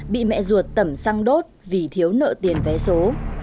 bị mẹ ruột tẩm xăng đốt vì thiếu nợ tiền vé số